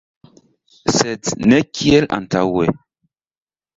Sed ne kiel antaŭe.